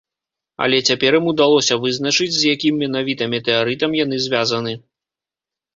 Але цяпер ім удалося вызначыць, з якім менавіта метэарытам яны звязаны.